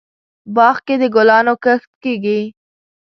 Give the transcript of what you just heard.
باغ کې دګلانو کښت کیږي